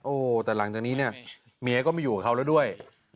โอ้โหแต่หลังจากนี้เนี่ยเมียก็ไม่อยู่กับเขาแล้วด้วย